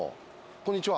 こんにちは。